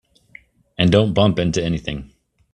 And don't bump into anything.